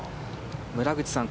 村口さん